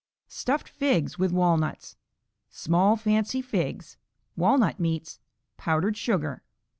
Stuffed Figs with Walnuts Small fancy figs. Walnut meats. Powdered sugar.